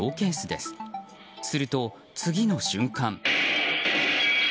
すると、次の瞬間。